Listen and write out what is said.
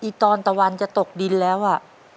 ตอนตะวันจะตกดินแล้วอ่ะ